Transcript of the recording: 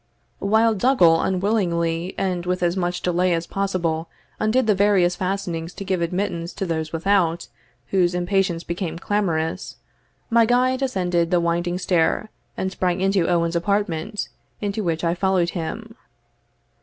While Dougal, unwillingly, and with as much delay as possible, undid the various fastenings to give admittance to those without, whose impatience became clamorous, my guide ascended the winding stair, and sprang into Owen's apartment, into which I followed him.